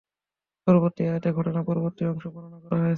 পরবর্তী আয়াতে ঘটনার পরবর্তী অংশ বর্ণনা করা হয়েছে।